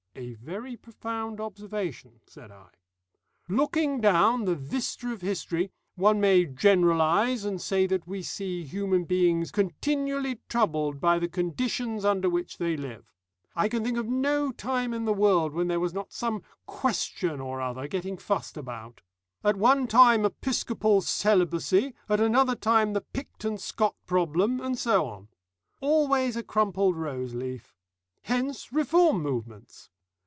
"A very profound observation," said I. "Looking down the vista of history, one may generalise and say that we see human beings continually troubled by the conditions under which they live. I can think of no time in the world when there was not some Question or other getting fussed about: at one time episcopal celibacy, at another time the Pict and Scot problem, and so on. Always a crumpled rose leaf. Hence reform movements.